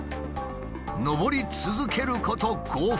上り続けること５分。